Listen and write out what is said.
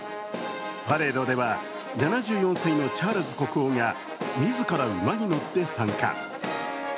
パレードでは７４歳のチャールズ国王が自ら馬に乗って参加。